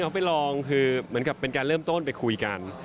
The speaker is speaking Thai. เขาไปลองคือเหมือนกับเป็นการเริ่มต้นไปคุยกัน